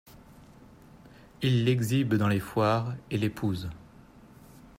Il l'exhibe dans les foires et l'épouse.